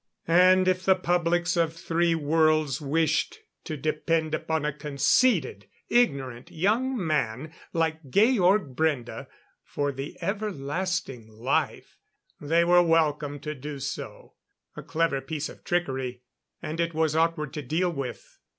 And if the publics of three worlds wished to depend upon a conceited, ignorant young man like Georg Brende for the everlasting life, they were welcome to do so. A clever piece of trickery, and it was awkward to deal with.